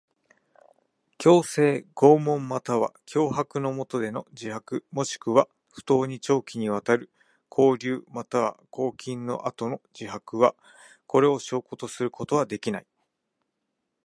強制、拷問または脅迫のもとでの自白もしくは不当に長期にわたる抑留または拘禁の後の自白は、これを証拠とすることはできない。